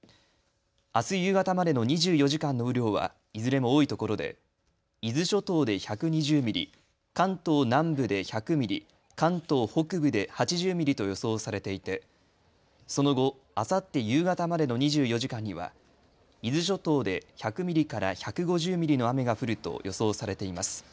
あす夕方までの２４時間の雨量はいずれも多いところで伊豆諸島で１２０ミリ、関東南部で１００ミリ、関東北部で８０ミリと予想されていてその後、あさって夕方までの２４時間には伊豆諸島で１００ミリから１５０ミリの雨が降ると予想されています。